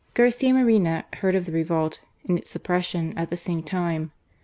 Garcia Moreno heard of the revolt and its suppression at the same time.